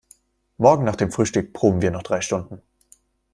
Morgen nach dem Frühstück proben wir noch drei Stunden.